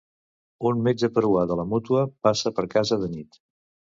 Un metge peruà de la mútua passa per casa de nit.